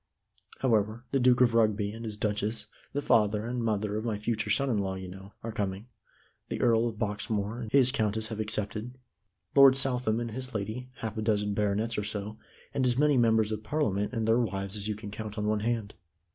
However, the Duke of Rugby and his Duchess, the father and mother of my future son in law, you know, are coming; the Earl of Boxmoor and his countess have accepted; Lord Southam and his lady, half a dozen baronets or so, and as many Members of Parliament and their wives as you can count on one hand.